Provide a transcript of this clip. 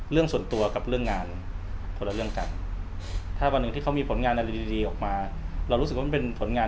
เรื่องส่วนตัวกับเรื่องงาน